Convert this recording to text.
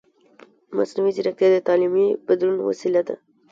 مصنوعي ځیرکتیا د تعلیمي بدلون وسیله ده.